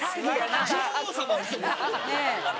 女王様ですよ。